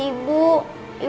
itu buat ibu